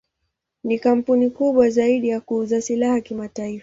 Ni kampuni kubwa zaidi ya kuuza silaha kimataifa.